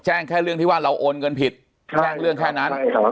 แจ้งแค่เรื่องที่ว่าเราโอนเงินผิดแจ้งเรื่องแค่นั้น